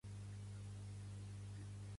Qui mor en dissabte, la Mare de Déu l'espera.